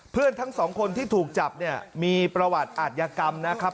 ทั้งสองคนที่ถูกจับเนี่ยมีประวัติอาทยากรรมนะครับ